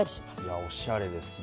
いやおしゃれですね。